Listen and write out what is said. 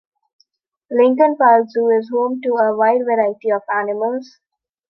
Lincoln Park Zoo is home to a wide variety of animals.